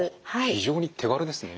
非常に手軽ですね。